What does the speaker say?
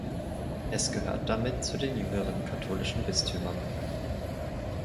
Es gehört damit zu den jüngeren katholischen Bistümern.